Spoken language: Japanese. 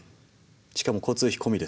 しかも交通費込みです。